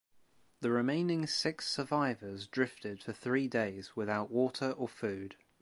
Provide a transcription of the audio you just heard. The remaining six survivors drifted for three days without water or food.